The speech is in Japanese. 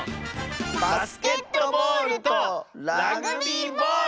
バスケットボールとラグビーボール！